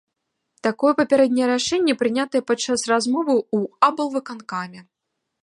Такое папярэдняе рашэнне прынятае падчас размовы ў аблвыканкаме.